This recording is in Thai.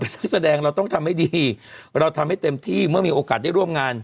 นักแสดงเราต้องทำให้ดีเราทำให้เต็มที่เมื่อมีโอกาสได้ร่วมงาน